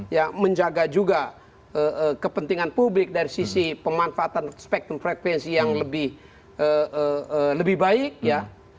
ya menjaga juga kepentingan publik dari sisi pemanfaatan spektrum frekuensi yang lebih baik ya